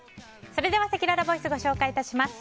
それではせきららボイスご紹介致します。